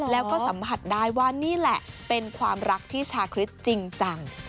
แล้วก็สัมผัสได้ว่านี่แหละเป็นความรักที่ชาคริสต์จริงจัง